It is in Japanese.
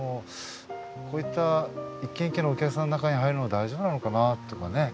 こういった一軒一軒のお客さんの中に入るのは大丈夫なのかなとかね。